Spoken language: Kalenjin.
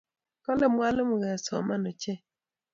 Kale mwalimu kesoman ochei